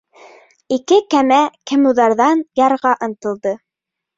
Ике кәмә кемуҙарҙан ярға ынтылды.